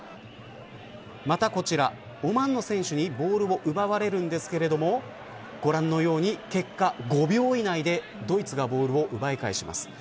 またこちら、オマーンの選手にボールを奪われるんですがご覧のように結果５秒以内でドイツがボールを奪い返します。